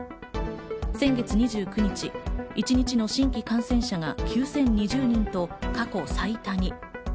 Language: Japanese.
先月２９日、一日の新規感染者が９０２０人と過去最多に。